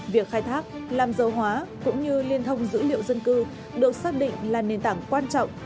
việc khai thác làm dầu hóa cũng như liên thông dữ liệu dân cư được xác định là nền tảng quan trọng